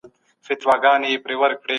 نن هم دا اثار لوستل کيږي.